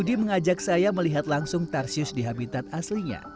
budi mengajak saya melihat langsung tarsius di habitat aslinya